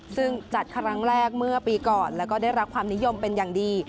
ซึ่งจัดครั้งแรกเมื่อปีก่อนแล้วก็ได้รับความนิยมเป็นอย่างดี